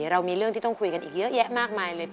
เรามีเรื่องที่ต้องคุยกันอีกเยอะแยะมากมายเลย